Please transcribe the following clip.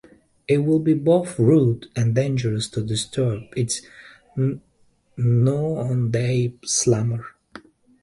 It would be both rude and dangerous to disturb its noonday slumber.